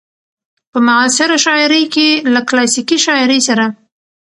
په معاصره شاعرۍ کې له کلاسيکې شاعرۍ سره